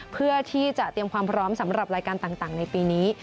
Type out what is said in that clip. เพื่อที่จะเตรียมความพร้อมสำหรับรายการต่างในปีนี้